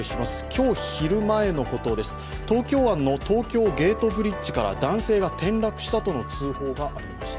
今日昼前、東京湾の東京ゲートブリッジから男性が転落したとの通報がありました。